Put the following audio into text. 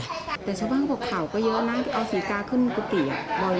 แต่ชาวบ้านบอกข่าวก็เยอะนะเอาสีกาขึ้นกุฏิบ่อยมาก